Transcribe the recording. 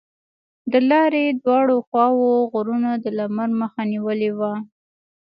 د لارې دواړو خواوو غرونو د لمر مخه نیولې وه.